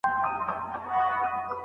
بحث بايد په دليل ولاړ وي.